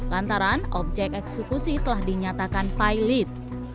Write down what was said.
lantaran objek eksekusi telah dinyatakan pilot